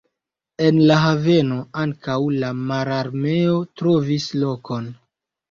En la haveno ankaŭ la Mararmeo trovis lokon.